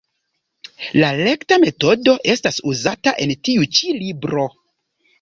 La rekta metodo estas uzata en tiu ĉi libro.